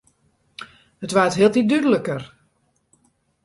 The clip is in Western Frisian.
It waard hieltiten dúdliker.